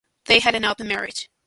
They had an open marriage.